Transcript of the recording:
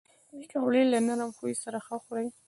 پکورې له نرم خویو سره ښه خوري